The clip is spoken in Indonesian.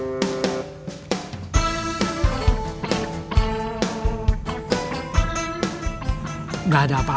jangan lupa pak